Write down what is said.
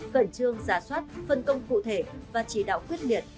cẩn trương giá soát phân công cụ thể và chỉ đạo quyết liệt